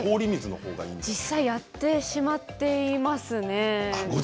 実際やってしまっていますね。